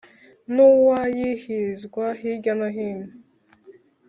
N uwa yizihizwa hirya no hino